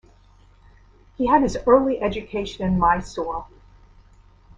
He had his early education in Mysore.